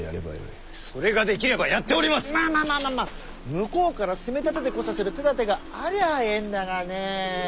向こうから攻めたててこさせる手だてがありゃあええんだがね。